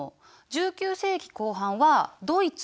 １９世紀後半はドイツ